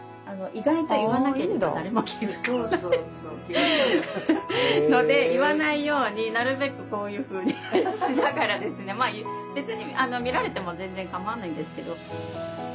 意外と言わなければ誰も気付かないので言わないようになるべくこういうふうにしながらですねまあ別に見られても全然かまわないんですけど。